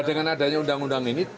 dengan adanya undang undang ini